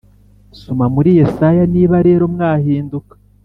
Soma muri Yesaya Niba rero mwahinduka